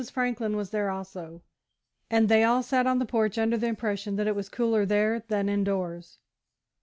Franklin was there also, and they all sat on the porch, under the impression that it was cooler there than indoors.